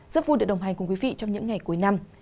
rất vui để đồng hành cùng quý vị trong những ngày cuối năm